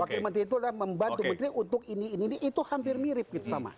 wakil menteri itu adalah membantu menteri untuk ini ini itu hampir mirip gitu sama